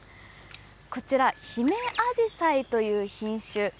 こちら、ヒメアジサイという品種。